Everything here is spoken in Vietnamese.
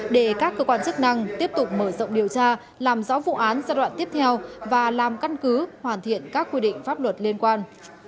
để các cơ quan chức năng tiếp tục mở rộng điều tra làm rõ vụ án giai đoạn tiếp theo và làm căn cứ hoàn thiện các quy định pháp luật liên quan